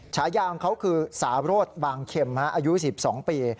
ฉายาของเขาคือสารสบางเข็มอายุ๑๒ปี